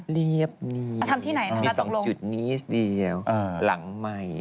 เรียบนี้มีสองจุดนี้เดียวหลังใหม่